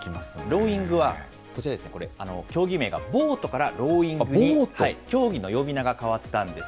ローイングは、こちらですね、これ、競技名がボートからローイングに競技の呼び名が変わったんです。